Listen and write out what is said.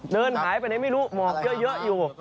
เดินหายไปไหนไม่รู้หมอกเยอะอยู่